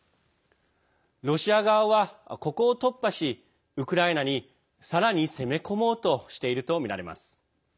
ロシア側は、ここを突破しウクライナにさらに攻め込もうとしているとみられます。